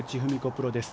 プロです。